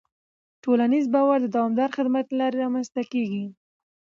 ټولنیز باور د دوامداره خدمت له لارې رامنځته کېږي.